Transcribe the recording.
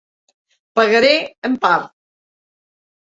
Pagaré en part.